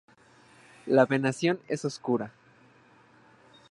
La venación es oscura.